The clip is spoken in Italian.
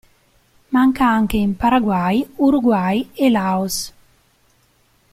Manca anche in Paraguay, Uruguay e Laos.